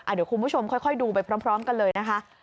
เดี๋ยวคุณผู้ชมค่อยดูไปพร้อมกันเลยนะคะ